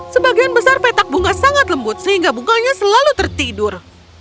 sebagian besar petak bunga sangat lembut sehingga bunganya selalu tertidur